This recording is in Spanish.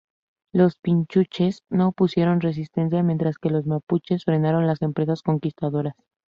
Los picunches no opusieron resistencia mientras que los mapuches frenaron las empresas conquistadoras.